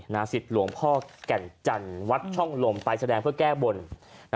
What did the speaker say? สิทธิ์หลวงพ่อแก่นจันทร์วัดช่องลมไปแสดงเพื่อแก้บน